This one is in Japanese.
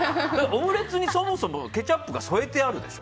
オムレツにそもそもケチャップが添えてあるでしょ。